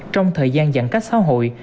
trong thời gian giãn cách xã hội